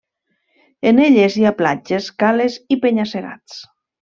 En elles hi ha platges, cales i penya-segats.